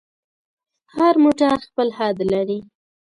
هر موټر خپل حد لري.